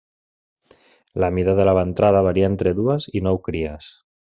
La mida de la ventrada varia entre dues i nou cries.